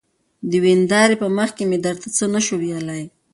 د ويندارې په مخکې مې درته څه نشوى ويلى.